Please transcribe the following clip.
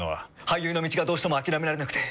俳優の道がどうしても諦められなくて。